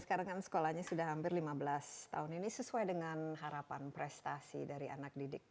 sekarang kan sekolahnya sudah hampir lima belas tahun ini sesuai dengan harapan prestasi dari anak didik